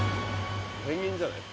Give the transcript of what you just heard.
ペンギンじゃない？